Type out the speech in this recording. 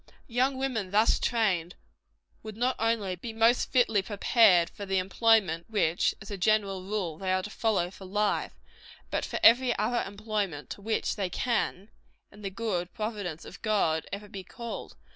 Young women thus trained, would not only be most fitly prepared for the employment which, as a general rule, they are to follow for life, but for every other employment to which they can, in the good providence of God, ever be called.